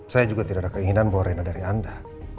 saya juga tidak ada keinginan membawa rina dari anda